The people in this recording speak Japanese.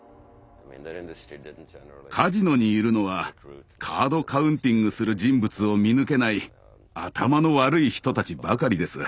カジノにいるのはカード・カウンティングする人物を見抜けない頭の悪い人たちばかりです。